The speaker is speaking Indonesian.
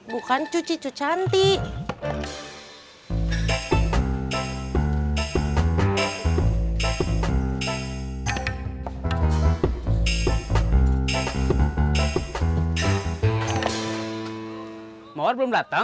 bukan cucicu cantik